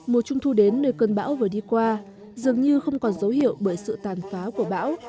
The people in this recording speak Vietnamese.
mùa trung thu đến nơi cơn bão vừa đi qua dường như không còn dấu hiệu bởi sự tàn phá của bão